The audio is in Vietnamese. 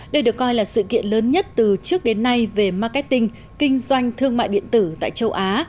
đây được coi là sự kiện lớn nhất từ trước đến nay về marketing kinh doanh thương mại điện tử tại châu á